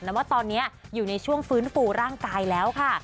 ว่าตอนนี้อยู่ในช่วงฟื้นฟูร่างกายแล้วค่ะ